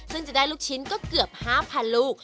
ซึ่งจะได้ลูกชิ้นก็เกือบ๕๐๐ลูก